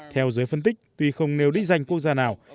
theo giới phân tích tuy không nêu đích danh quốc gia nào